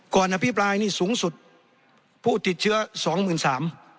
อภิปรายนี่สูงสุดผู้ติดเชื้อสองหมื่นสาม